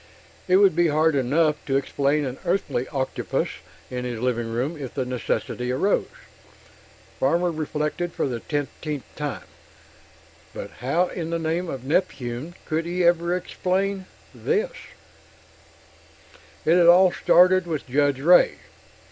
It would be hard enough to explain an earthly octopus in his living room if the necessity arose, Farmer reflected for the teenteenth time but how in the name of Neptune could he ever explain this? It had all started with Judge Ray.